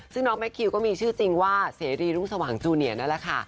ซึ่งน้องแมคคิวก็มีชื่อจริงว่าเสรีรุ่งสว่างจูเนียนั่นแหละค่ะ